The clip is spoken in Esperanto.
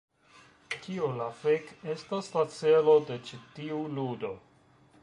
Kio la fek estas la celo de ĉi tiu ludo?